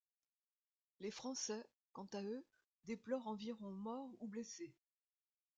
Les Français, quant à eux, déplorent environ morts ou blessés.